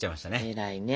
偉いね。